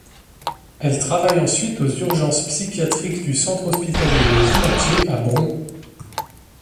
Elle travaille ensuite aux urgences psychiatriques du centre hospitalier Le Vinatier à Bron.